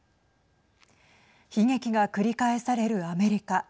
悲劇が繰り返されるアメリカ。